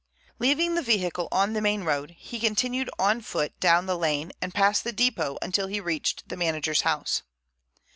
Leaving the vehicle on the main road, he continued on foot down the lane and past the depot until he reached the manager's house.